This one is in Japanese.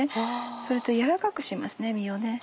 それと軟らかくしますね身を。